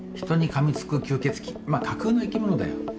人にかみつく吸血鬼まあ架空の生き物だよ。